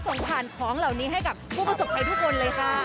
ส่งผ่านของเหล่านี้ให้กับผู้ประสบภัยทุกคนเลยค่ะ